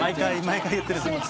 毎回言ってる。